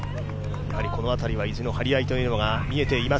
この辺りは維持の張り合いが見えています。